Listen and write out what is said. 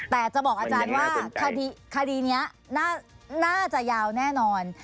แต่จะบอกอาจารย์ว่าคดีนี้น่าจะยาวแน่นอน